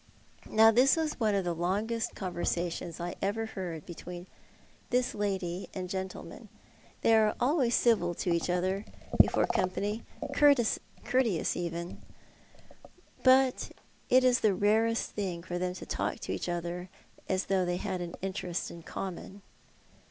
Now this was one of the longest conversations I ever heard between this lady and gentleman. They are always civil to each other before company; courteous even; but it is the rarest thing for them to talk to each other as if they had an interest in common.